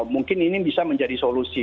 mungkin ini bisa menjadi solusi